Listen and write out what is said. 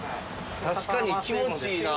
確かに気持ちいいな。